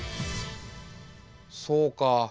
そうかあ。